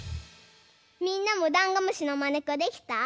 みんなもダンゴムシのまねっこできた？